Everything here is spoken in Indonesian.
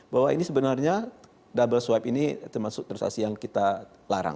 bahwa ini sebenarnya double swab ini termasuk transaksi yang kita larang